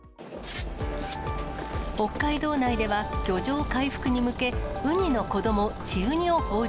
北海道内では、漁場回復に向け、ウニの子ども、稚ウニを放流。